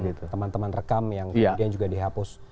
oke teman teman rekam yang kejadian juga dihapus